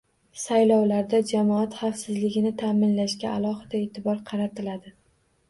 Saylovlarda jamoat xavfsizligini ta’minlashga alohida e’tibor qaratiladi